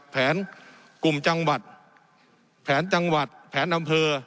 แผนกลุ่มจังหวัดแผนจังหวัดแผนอำเภอ